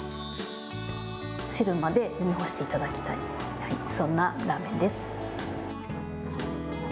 汁まで飲み干していただきたい、そんなラーメンです。